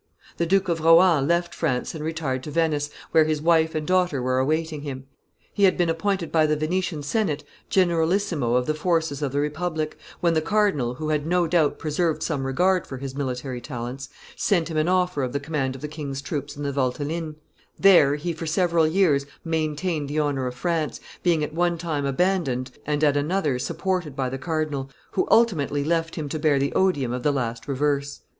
The Duke of Rohan left France and retired to Venice, where his wife and daughter were awaiting him. He had been appointed by the Venetian senate generalissimo of the forces of the republic, when the cardinal, who had no doubt preserved some regard for his military talents, sent him an offer of the command of the king's troops in the Valteline. There he for several years maintained the honor of France, being at one time abandoned and at another supported by the cardinal, who ultimately left him to bear the odium of the last reverse.